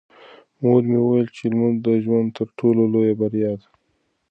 مور مې وویل چې لمونځ د ژوند تر ټولو لویه بریا ده.